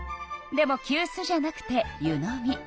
でもきゅうすじゃなくて湯飲み。